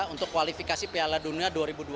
untuk kualifikasi piala dunia dua ribu dua puluh